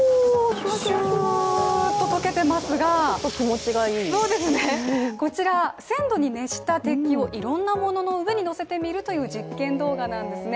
シューッととけてますが、こちら、１０００度に熱した鉄球をいろんなものの上に乗せてみるという実験動画なんですね。